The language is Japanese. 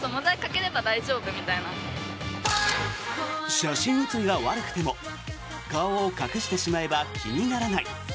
写真写りが悪くても顔を隠してしまえば気にならない。